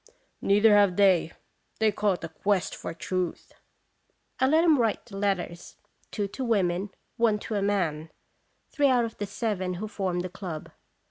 "Neither have they; they call it a quest for truth." I let him write the letters two to women, one to a man three out of the seven who formed the club.